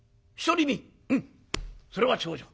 うんそれは重畳。